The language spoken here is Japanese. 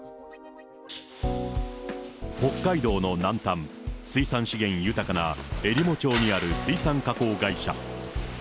北海道の南端、水産資源豊かなえりも町にある水産加工会社。